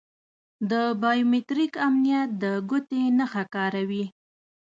د بایو میتریک امنیت د ګوتې نښه کاروي.